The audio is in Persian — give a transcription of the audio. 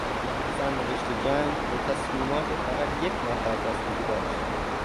سرنوشت جنگ به تصمیمات فقط یک نفر بستگی داشت.